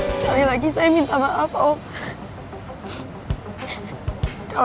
saya pernah mencoba jika kamu lupa